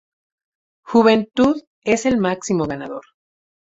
Juventud es el máximo ganador.